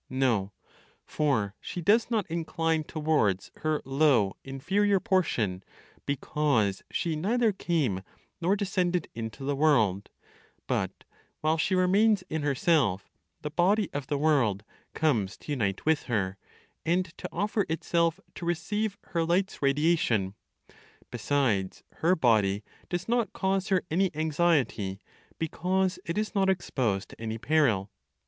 No: for she does not incline towards her low inferior portion, because she neither came nor descended into the world; but, while she remains in herself, the body of the world comes to unite with her, and to offer itself to receive her light's radiation; besides, her body does not cause her any anxiety, because it is not exposed to any peril.